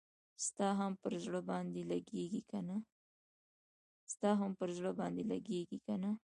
ستا هم پر زړه باندي لګیږي کنه؟